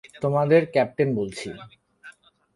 তোমাদের ক্যাপ্টেন বলছি।